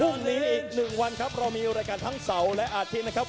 พรุ่งนี้อีก๑วันครับเรามีรายการทั้งเสาร์และอาทิตย์นะครับ